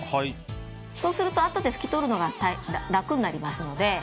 そうすると、あとで拭き取るのが楽になりますので。